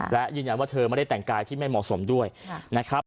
และยืนยันว่าเธอไม่ได้แต่งกายที่ไม่เหมาะสมด้วยนะครับ